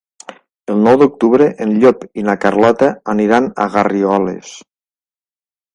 El nou d'octubre en Llop i na Carlota aniran a Garrigoles.